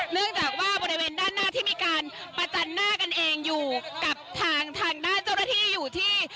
เนื่องจากว่าบริเวณด้านหน้าที่มีการประจันหน้ากันเองอยู่กับทางด้านเจ้าหน้าที่อยู่ที่